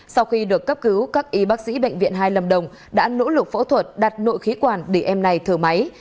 sau khi được cấp cứu các y bác sĩ bệnh viện hai lâm đồng đã nỗ lực phẫu thuật đặt nội khí quản để em này thở máy